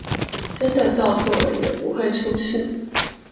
真的照做了也不會出事